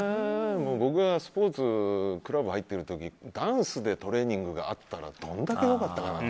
僕がスポーツクラブ入ってる時ダンスでトレーニングがあったらどれだけ良かったか。